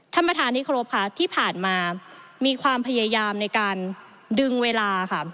ท่านประธานิครบที่ผ่านมามีความพยายามในการดึงเวลา